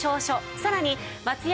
さらに松屋